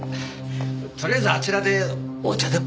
とりあえずあちらでお茶でも。